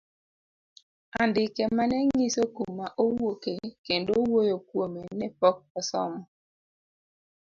Andike mane ng'iso kuma owuoke kendo wuoyo kuome ne pok osomo.